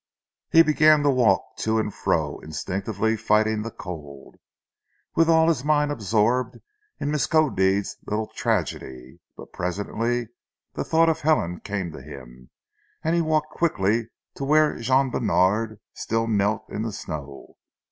He began to walk to and fro, instinctively fighting the cold, with all his mind absorbed in Miskodeed's little tragedy; but presently the thought of Helen came to him, and he walked quickly to where Jean Bènard still knelt in the snow.